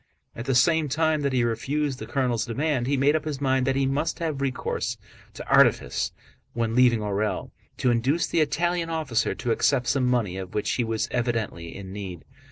At the same time that he refused the colonel's demand he made up his mind that he must have recourse to artifice when leaving Orël, to induce the Italian officer to accept some money of which he was evidently in need.